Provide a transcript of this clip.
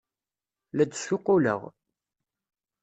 La d-ssuquleɣ.